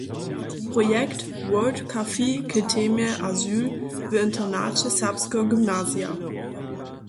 - projekt „Worldcafé k temje azyl“ w internaće serbskeho gymnazija